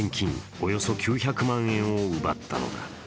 およそ９００万円を奪ったのだ。